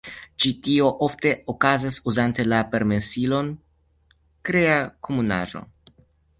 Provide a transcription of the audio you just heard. Ĉi tio ofte okazas uzante la permesilon Krea Komunaĵo.